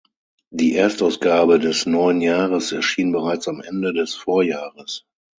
Die Erstausgabe des neuen Jahres erschien bereits am Ende des Vorjahres.